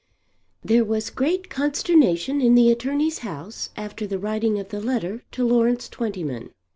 There was great consternation in the attorney's house after the writing of the letter to Lawrence Twentyman.